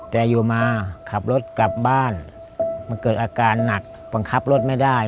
แต่อยู่มาขับรถกลับบ้านมันเกิดอาการหนักบังคับรถไม่ได้